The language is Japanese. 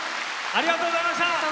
ありがとうございます！